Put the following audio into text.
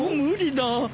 無理だ！